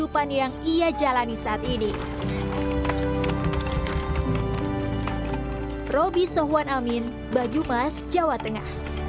banyak warga yang peduli untuk membantu mendorong kursi rodanya